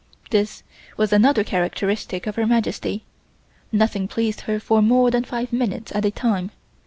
This was another characteristic of Her Majesty; nothing pleased her for more than five minutes at a time.